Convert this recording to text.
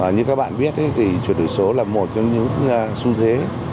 như các bạn biết thì chuyển đổi số là một trong những xu thế